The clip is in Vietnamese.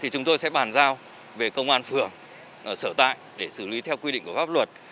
chúng tôi sẽ bàn giao về công an phường sở tại để xử lý theo quy định của pháp luật